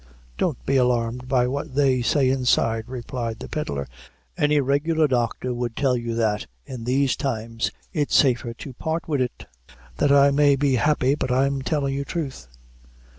"Don't be alarmed by what they say inside," replied the pedlar; "any regular doctor would tell that, in these times, it's safer to part wid it that I may be happy but I'm tellin' you thruth.